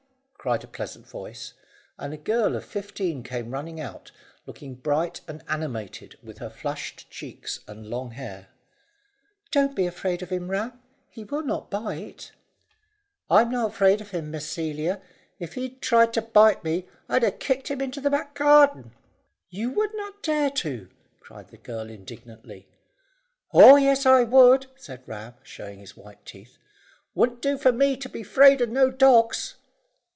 cried a pleasant voice, and a girl of fifteen came running out, looking bright and animated with her flushed cheeks and long hair. "Don't be afraid of him, Ram; he will not bite." "I'm not afraid of him, Miss Celia; if he'd tried to bite me, I'd have kicked him into the back garden." "You would not dare to," cried the girl indignantly. "Oh yes, I would," said Ram, showing his white teeth. "Wouldn't do for me to be 'fraid of no dogs."